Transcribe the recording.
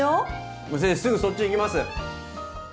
もう先生すぐそっち行きます！